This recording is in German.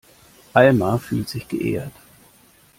Alma fühlt sich geehrt.